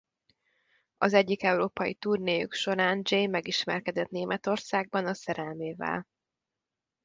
Az egyik európai turnéjuk során Jay megismerkedett Németországban a szerelmével.